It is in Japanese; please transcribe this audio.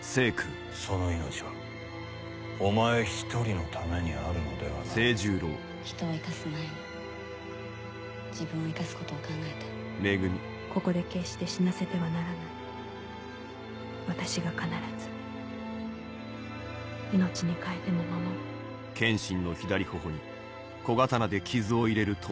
その命はお前１人のためにあるのではない人を活かす前に自分を生かすことを考えてここで決して死なせてはならな私が必ず命に代えても守る剣心。